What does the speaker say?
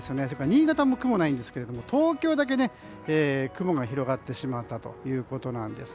新潟も雲がないんですが東京だけ雲が広がってしまったということです。